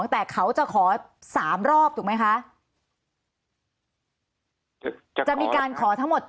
แต่เขาจะขอ๓รอบถูกไหมคะ